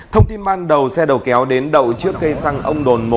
thông tin ban đầu xe đầu kéo đến đầu trước cây xăng ông đồn một